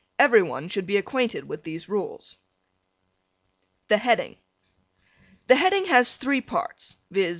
Every one should be acquainted with these rules. THE HEADING The Heading has three parts, viz.